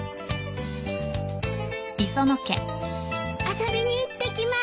遊びに行ってきます。